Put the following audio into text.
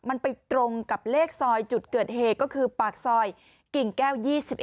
มันไปตรงกับเลขซอยจุดเกิดเหตุก็คือปากซอยกิ่งแก้ว๒๑